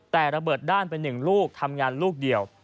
แต่ระเบิดด้านไป๑ลูกทำงานลูกเดียว